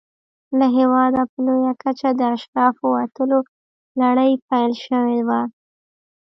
له هېواده په لویه کچه د اشرافو وتلو لړۍ پیل شوې وه.